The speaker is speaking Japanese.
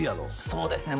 そうですね